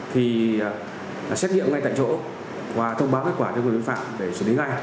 thì xét nghiệm ngay tại chỗ và thông báo kết quả cho người vi phạm để xử lý ngay